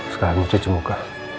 sekarang cuci muka